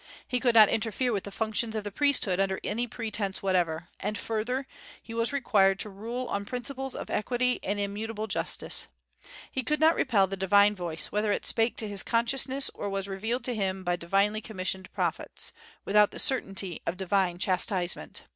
He could not interfere with the functions of the priesthood under any pretence whatever; and further, he was required to rule on principles of equity and immutable justice. He could not repel the divine voice, whether it spake to his consciousness or was revealed to him by divinely commissioned prophets, without the certainty of divine chastisement.